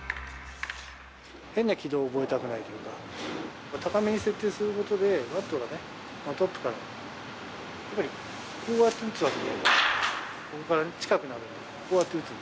変な軌道を覚えたくないというか、高めに設定することで、バットがね、トップから、こうやって打つわけじゃなくて、ここから近くなるからこうやって打つ。